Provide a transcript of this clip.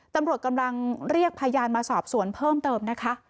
ตำรวจกำลังเรียกพยานมาสอบสวนเพิ่มเติมนะคะ